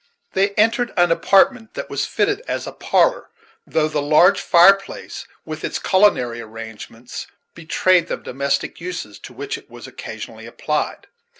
They entered an apartment that was fitted as a parlor, though the large fireplace, with its culinary arrangements, betrayed the domestic uses to which it was occasionally applied.